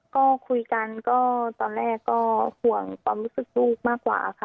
ก็คุยกันก็ตอนแรกก็ห่วงความรู้สึกลูกมากกว่าค่ะ